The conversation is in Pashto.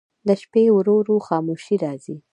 د شپې ورو ورو خاموشي راځي.